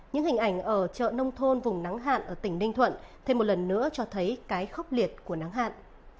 những hình ảnh ở chợ nông thôn vùng nắng hạn ở tỉnh ninh thuận thêm một lần nữa cho thấy cái khốc liệt của nắng hạn